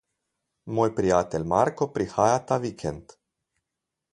Moj prijatelj Marko prihaja ta vikend.